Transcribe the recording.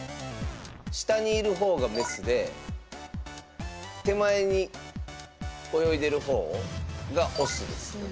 下にいるほうがメスで手前に泳いでるほうがオスですね。